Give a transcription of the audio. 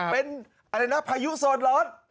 เป็นอะไรนะพายุโซนร้อน